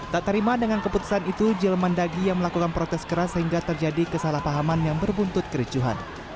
tak terima dengan keputusan itu jelmandagi yang melakukan protes keras sehingga terjadi kesalahpahaman yang berbuntut kericuhan